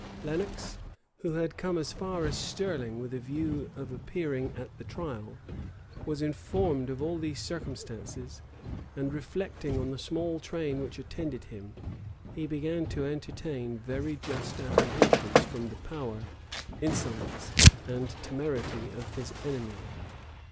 [v*] Lenox, who had come as far as Stirling with a view of appearing at the trial, was informed of all these circumstances; and reflecting on the small train which attended him, he began to entertain very just apprehensions from the power, insolence, and temerity of his enemy.